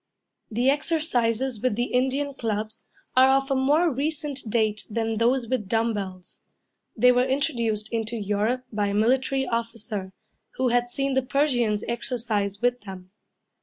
_ The exercises with the Indian clubs are of a more recent date than those with dumb bells. They were introduced into Europe by a military officer, who had seen the Persians exercise with them.